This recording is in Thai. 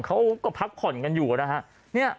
เขาก็พักผ่อนกันอยู่นะฮะ